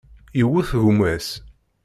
Yewwet gma-s.